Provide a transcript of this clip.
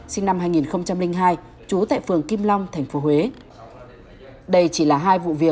sinh năm hai nghìn hai chú tại phường kim long tp huế